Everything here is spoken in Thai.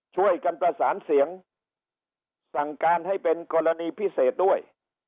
ช่วยกันประสานเสียงสั่งการให้เป็นกรณีพิเศษด้วย